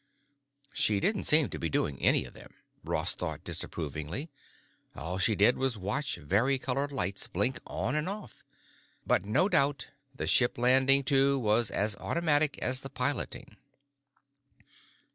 She didn't seem to be doing any of them, Ross thought disapprovingly; all she did was watch varicolored lights blink on and off. But no doubt the ship landing, too, was as automatic as the piloting.